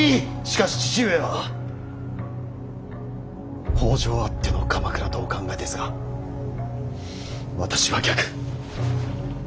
しかし父上は北条あっての鎌倉とお考えですが私は逆。